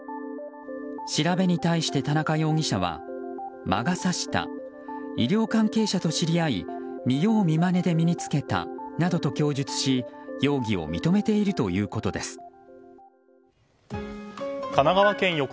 調べに対して、田中容疑者は魔が差した医療関係者と知り合い見よう見まねで身に着けたなどと供述し、容疑を認めているということです。